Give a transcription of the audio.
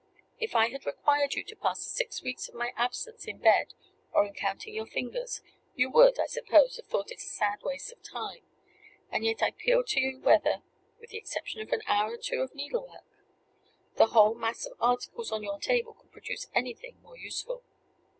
If I had required you to pass the six weeks of my absence in bed or in counting your fingers, you would, I suppose, have thought it a sad waste of time; and yet I appeal to you whether (with the exception of an hour or two of needlework) the whole mass of articles on your table could produce anything more useful.